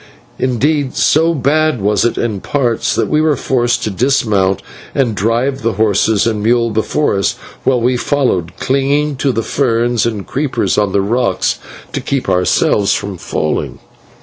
Indeed, so bad was it in parts, that we were forced to dismount and drive the horses and mule before us, while we followed, clinging to the ferns and creepers on the rocks to keep ourselves from falling.